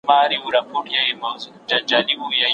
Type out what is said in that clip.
ميرويس خان نيکه څنګه د خپل هدف لپاره کار وکړ؟